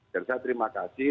dan saya terima kasih